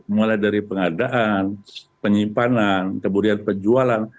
mulai dari pengadaan penyimpanan kemudian penjualan